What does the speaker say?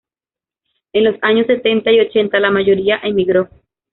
En los años setenta y ochenta, la mayoría emigró.